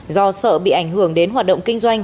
do sợ bị ảnh hưởng đến hoạt động kinh doanh